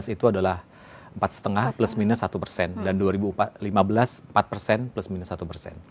dua ribu itu adalah empat lima plus minus satu persen dan dua ribu lima belas empat persen plus minus satu persen